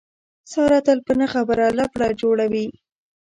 ساره تل په نه خبره لپړه جوړوي.